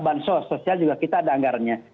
bansos sosial juga kita ada anggarannya